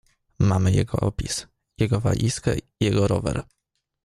"Mamy jego opis, jego walizkę, jego rower."